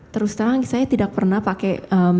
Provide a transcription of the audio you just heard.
terus terang saya tidak pernah pakai